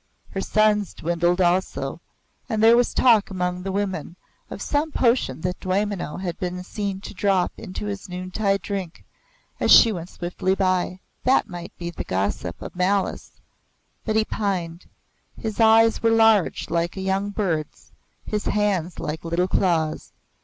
Her son's dwindled also, and there was talk among the women of some potion that Dwaymenau had been seen to drop into his noontide drink as she went swiftly by. That might he the gossip of malice, but he pined. His eyes were large like a young bird's; his hands like little claws.